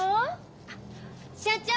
あっ社長！